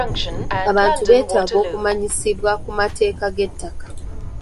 Abantu beetaaga okumanyisibwa ku mateeka g'ettaka.